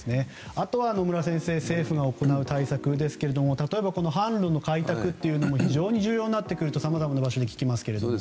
あとは、野村先生政府が行う対策ですけど例えば販路の開拓も非常に大事になってくるとさまざまな場所で聞きますけど。